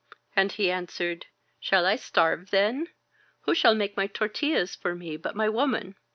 And he answered: *Shall I starve, then? Who shall make my tortillas for me but my woman?'